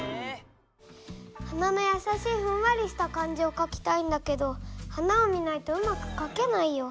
花のやさしいふんわりした感じをかきたいんだけど花を見ないとうまくかけないよ。